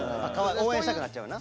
応援したくなっちゃうな。